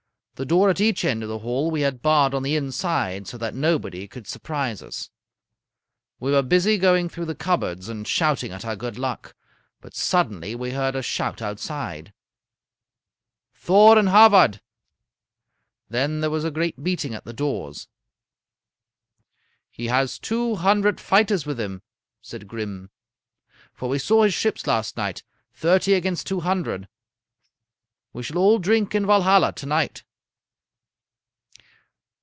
The door at each end of the hall we had barred on the inside so that nobody could surprise us. We were busy going through the cupboards and shouting at our good luck. But suddenly we heard a shout outside: "'Thor and Havard!' "Then there was a great beating at the doors. "'He has two hundred fighters with him,' said Grim; 'for we saw his ships last night. Thirty against two hundred! We shall all drink in Valhalla to night.'